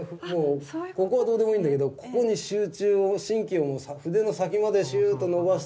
ここはどうでもいいんだけどここに集中を神経を筆の先までシューッと伸ばして。